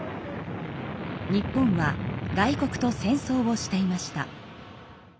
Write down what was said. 日本は外国と戦争をしていました。